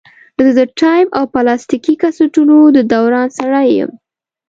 زه د ټیپ او پلاستیکي کسټونو د دوران سړی یم.